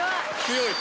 強い！